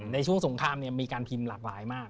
ในช่วงสงครามมีการพิมพ์หลากหลายมาก